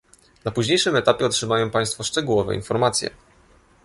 Na późniejszym etapie otrzymają państwo szczegółowe informacje